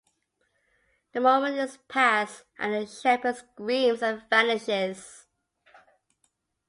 The moment is past, and the shepherd screams and vanishes.